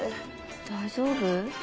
大丈夫？